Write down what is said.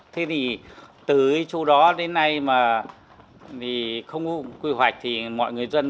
thế thì từ cái chỗ đó đến nay mà không có quy hoạch thì mọi người dân